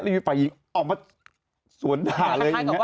มีฝ่ายหญิงออกมาสวนด่าเลยอย่างนี้